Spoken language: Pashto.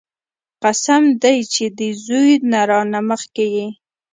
قسم دې چې د زوى نه راله مخكې يې.